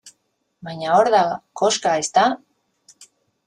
Baina hor da koxka, ezta?